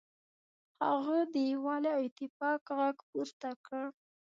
هغه د یووالي او اتفاق غږ پورته کړ.